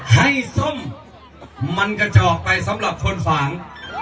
ส้มมันกระจอกไปสำหรับคนฝาง